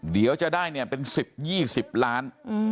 เดี๋ยวจะได้เนี่ยเป็น๑๐๒๐ล้าน